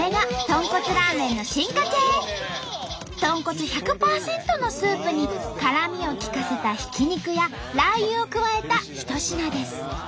豚骨１００％のスープに辛みを利かせたひき肉やラー油を加えた一品です。